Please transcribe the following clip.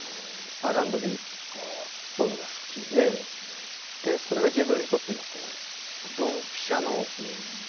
Ｒ＆Ｂとかソウルが好きでそれが自分にとってのドンピシャのキュンなんですね。